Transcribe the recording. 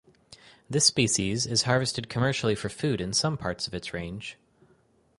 This species is harvested commercially for food in some parts of its range.